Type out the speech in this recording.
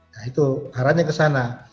nah itu arahnya kesana